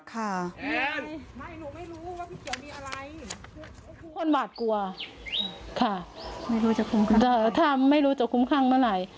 คนหวาดกลัวถ้าไม่รู้จะคุ้มครั้งเท่าไหร่